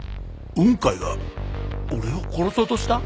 雲海が俺を殺そうとした？